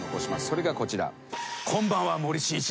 それがこちら。